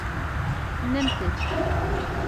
Tennamt-d.